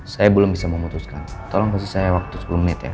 saya belum bisa memutuskan tolong kasih saya waktu sepuluh menit ya